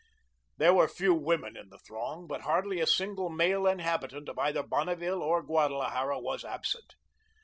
There were few women in the throng, but hardly a single male inhabitant of either Bonneville or Guadalajara was absent.